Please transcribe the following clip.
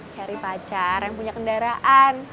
cari pacar yang punya kendaraan